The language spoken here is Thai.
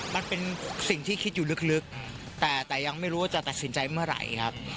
มันเป็นสิ่งที่คิดอยู่ลึกแต่ยังไม่รู้ว่าจะตัดสินใจเมื่อไหร่ครับ